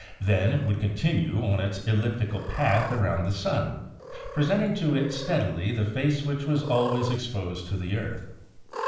Then it would continue on its eliptical path around the sun, presenting to it steadily the face which was always exposed to the earth.